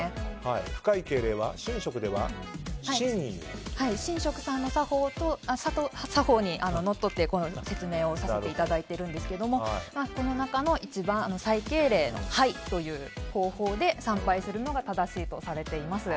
深い敬礼は、神職では神職さんの作法にのっとって説明させていただいているんですがこの中で一番、最敬礼の拝という方法で参拝するのが正しいとされています。